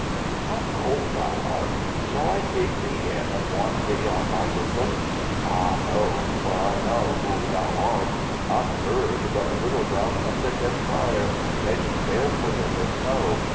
"How cold thou art! Shall I take thee in and warm thee on my bosom? Ah, no! For I know who thou art! Not a bird, but a little brown mendicant friar, begging barefoot in the snow.